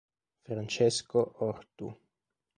Francesco Ortu